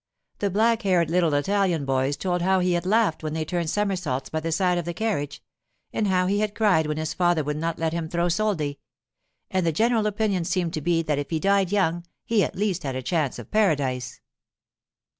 The black haired little Italian boys told how he had laughed when they turned somersaults by the side of the carriage, and how he had cried when his father would not let him throw soldi; and the general opinion seemed to be that if he died young, he at least had a chance of paradise.